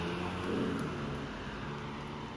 奥特尔芬格是德国巴伐利亚州的一个市镇。